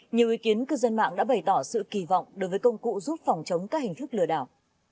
nhiều ý kiến cư dân mạng đã bày tỏ sự kỳ vọng đối với công cụ giúp phòng chống các hình thức lừa đảo